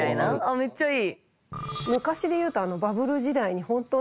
めっちゃいい。